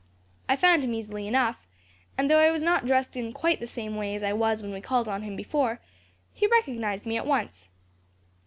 I found him easily enough, and though I was not dressed quite in the same way as I was when we called on him before, he recognized me at once.